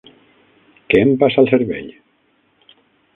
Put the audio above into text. Què em passa al cervell?